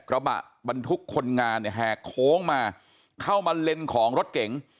กระบะบรรทุกคนงานเนี่ยแหกโค้งมาเข้ามาเลนของรถเก๋ง